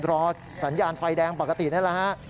รอสัญญาณไฟแดงปกตินั่นแหละฮะ